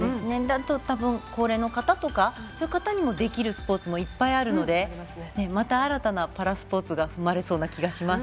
ご高齢の方とかそういう方にもできるスポーツもたくさんあるのでまた新たなパラスポーツが生まれそうな気がします。